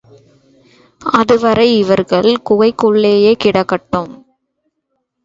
அதுவரை இவர்கள் குகைக்குள்ளேயே கிடக்கட்டும்.